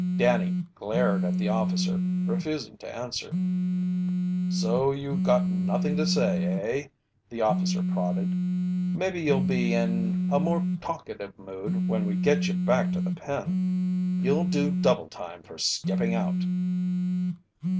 Danny glared at the officer, refusing to answer. "So you got nothing to say, eh?" the officer prodded. "Maybe you'll be in a more talkative mood when we get you back to the pen. You'll do double time for skipping out!"